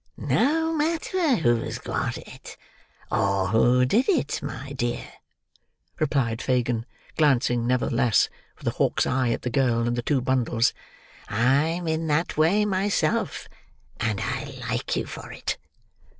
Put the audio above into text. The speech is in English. "No matter who's got it, or who did it, my dear," replied Fagin, glancing, nevertheless, with a hawk's eye at the girl and the two bundles. "I'm in that way myself, and I like you for it."